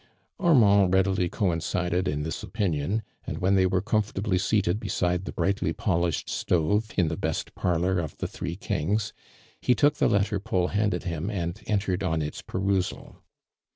Armand readily coincided in this opinion, and when they were comfortably seated beside the brightly polished stove, in the best parlor of the Three Kings, he took the let ter Paul handed him end entered on its perusal.